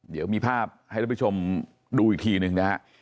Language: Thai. เดี๋ยวมีภาพให้รับผู้ชมดูอีกทีนึง